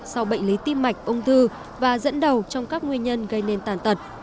sau bệnh lý tim mạch ung thư và dẫn đầu trong các nguyên nhân gây nên tàn tật